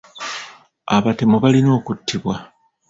Abatemu balina okuttibwa.